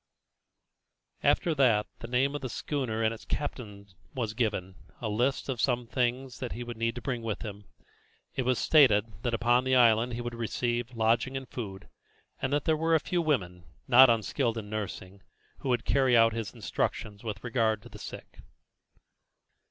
After that the name of the schooner and its captain was given, a list also of some of the things that he would need to bring with him. It was stated that upon the island he would receive lodging and food, and that there were a few women, not unskilled in nursing, who would carry out his instructions with regard to the sick.